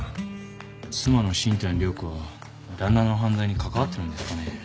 妻の新谷涼子は旦那の犯罪に関わってるんですかね？